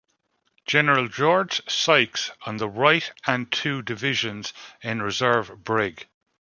General George Sykes on the right-and two divisions in reserve-Brig.